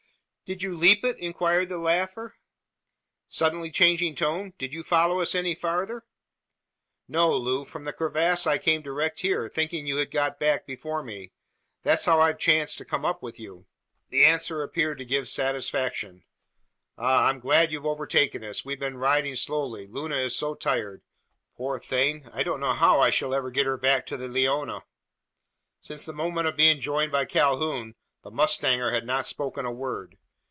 "Did you leap it?" inquired the laugher, suddenly changing tone. "Did you follow us any farther?" "No, Loo. From the crevasse I came direct here, thinking you had got back before me. That's how I've chanced to come up with you." The answer appeared to give satisfaction. "Ah! I'm glad you've overtaken us. We've been riding slowly. Luna is so tired. Poor thing! I don't know how I shall ever get her back to the Leona." Since the moment of being joined by Calhoun, the mustanger had not spoken a word.